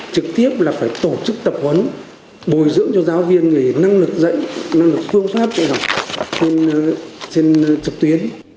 trực tiếp là phải tổ chức tập huấn bồi dưỡng cho giáo viên về năng lực dạy năng lực phương pháp dạy học trên trực tuyến